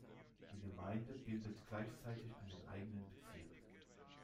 Die Gemeinde bildet gleichzeitig einen eigenen Bezirk.